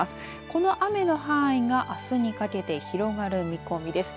この雨の範囲があすにかけて広がる見込みです。